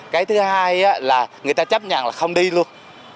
cái thứ hai là người ta chấp nhận là không đi luôn